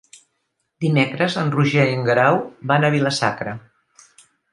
Dimecres en Roger i en Guerau van a Vila-sacra.